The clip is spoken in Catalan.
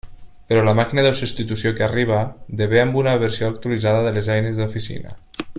Però la màquina de substitució que arriba de ve amb una versió actualitzada de les eines d'oficina.